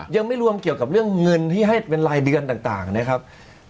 ยังไม่รวมเกี่ยวกับเรื่องเงินที่ให้เป็นรายเดือนต่างนะครับ